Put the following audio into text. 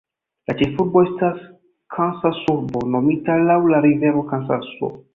La ĉefurbo estas Kansasurbo, nomita laŭ la rivero Kansaso.